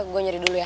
gue nyari dulu ya